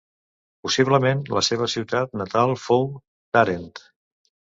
Possiblement la seva ciutat natal fou Tàrent.